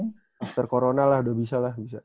after corona lah udah bisa lah bisa